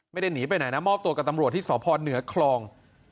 ไม่ได้หนีไปไหนนะมอบตัวกับตำรวจที่สพเหนือคลอง